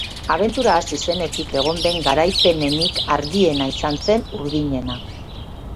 Abentura hasi zenetik egon den garaipenenik argiena izan zen urdinena.